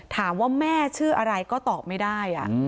ถามว่าแม่ชื่ออะไรก็ตอบไม่ได้